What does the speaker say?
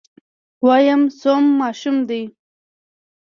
ويم څووم ماشوم دی.